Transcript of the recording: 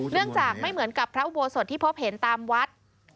เรื่องจากไม่เหมือนกับพระอุโบสถที่พบเห็นตามวัด